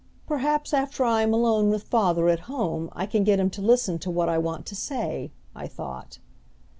"Perhaps after I am alone with father at home I can get him to listen to what I want to say," I thought.